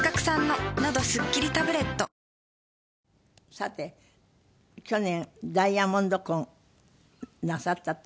さて去年ダイヤモンド婚なさったって。